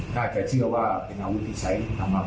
ถ้าได้รับการยืนยันทางดิจิเวียศาสตร์อีกทั้งหนึ่ง